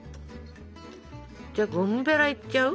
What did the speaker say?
じゃあゴムベラいっちゃう？